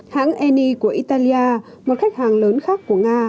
hãng eni của italia một khách hàng lớn khác của nga